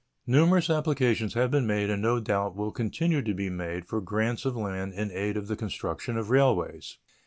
Numerous applications have been and no doubt will continue to be made for grants of land in aid of the construction of railways.